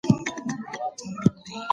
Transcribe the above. ایا دا ځای د سیلانیانو لپاره جوړ شوی دی؟